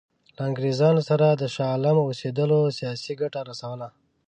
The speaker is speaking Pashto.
له انګرېزانو سره د شاه عالم اوسېدلو سیاسي ګټه رسوله.